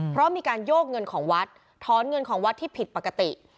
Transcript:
เพราะมีการโยกเงินของวัดถอนเงินของวัดที่ผิดปกติ